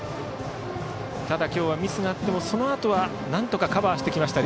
ただ今日はミスがあってもそのあとはなんとかカバーしてきました